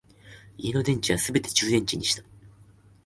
家の電池はすべて充電池にした